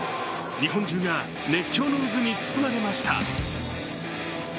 日本中が熱狂の渦に包まれました。